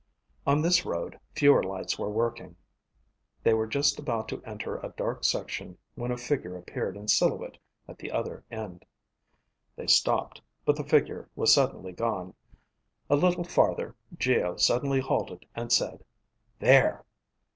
On this road fewer lights were working. They were just about to enter a dark section when a figure appeared in silhouette at the other end. They stopped, but the figure was suddenly gone. A little farther, Geo suddenly halted and said, "There!"